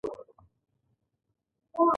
ایا زه باید د بلغم معاینه وکړم؟